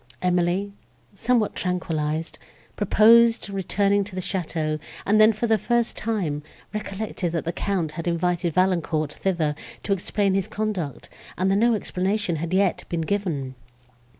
Emily, somewhat tranquillized, proposed returning to the château, and then, for the first time, recollected that the Count had invited Valancourt thither to explain his conduct, and that no explanation had yet been given.